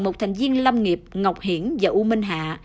một thành viên lâm nghiệp ngọc hiển và u minh hạ